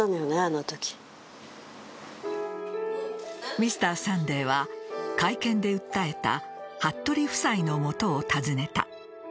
Ｍｒ．サンデーは会見で訴えた服部夫妻のもとを訪ねた。